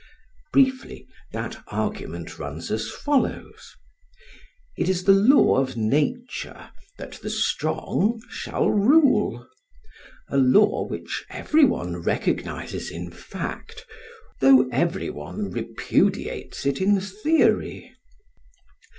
Briefly, that argument runs as follows: It is the law of nature that the strong shall rule; a law which every one recognises in fact, though every one repudiates it in theory.